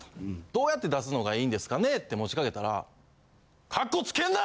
どうやって出すのがいいんですかねって持ちかけたら。